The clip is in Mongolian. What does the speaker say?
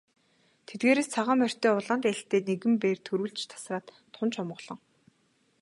Тэдгээрээс цагаан морьтой улаан дээлтэй нэгэн бээр түрүүлж тасраад тун ч омголон.